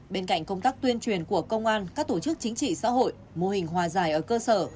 bên cạnh công tác tuyên truyền của công an các tổ chức chính trị xã hội mô hình hòa giải ở cơ sở